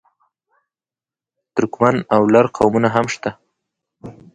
ترکمن او لر قومونه هم شته.